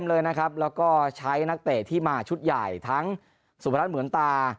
แล้วก็ใช้นักเตะที่มาชุดใหญ่ทั้งสุพรัชเหมือนตา